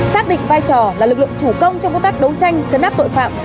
xác định vai trò là lực lượng chủ công trong công tác đấu tranh chấn áp tội phạm